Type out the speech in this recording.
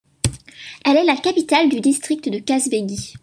Elle est la capitale du district de Kazbegui.